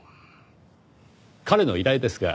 彼の依頼ですが。